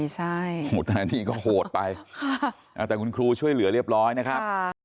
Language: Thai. ใช่นี่ก็โหดไปแต่คุณครูช่วยเหลือเรียบร้อยนะครับ